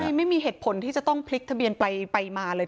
นี่ไม่มีเหตุผลที่จะต้องพลิกทะเบียนไปมาเลย